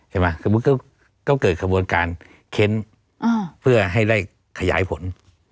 สมมุติก็เกิดขบวนการเค้นเพื่อให้ไล่ขยายผล